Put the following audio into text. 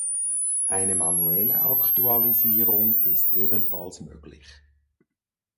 Eine manuelle Aktualisierung ist ebenfalls möglich.